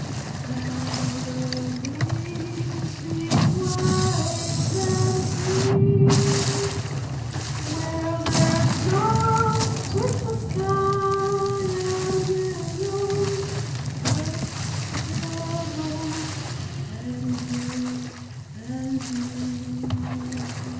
where the waves beat wild and free, Where there's naught 'twixt the sky and billows but the boat, and you, and me!